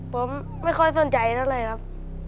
ผมไม่ค่อยสนใจได้เลยครับ